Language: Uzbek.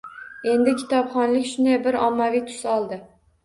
Endi kitobxonlik shunday bir ommaviy tus oldi